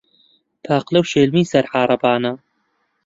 پاقلە و شێلمەی سەر عارەبانە